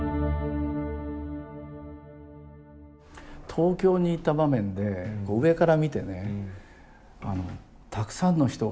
東京に行った場面で上から見てねたくさんの人がいる。